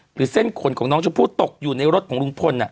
หรือเส้นขนนจะพูดตกในรถของลุงพล